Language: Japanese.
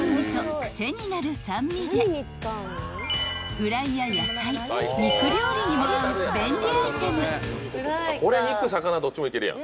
［フライや野菜肉料理にも合う便利アイテム］